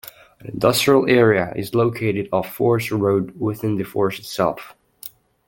An industrial area is located off Forest Road within the forest itself.